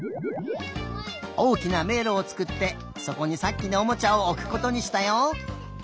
おおきなめいろをつくってそこにさっきのおもちゃをおくことにしたよ。